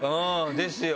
ですよ。